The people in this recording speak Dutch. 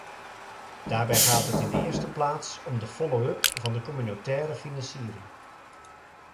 Daarbij gaat het in de eerste plaats om de follow-up van de communautaire financiering.